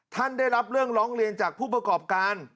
ได้รับเรื่องร้องเรียนจากผู้ประกอบการ